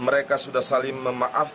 aku kan kalau hari hari saya mendatang